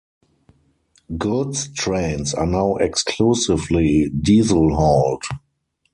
Goods trains are now exclusively diesel hauled.